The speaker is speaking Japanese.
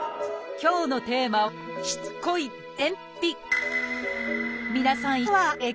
今日のテーマはしつこい「便秘」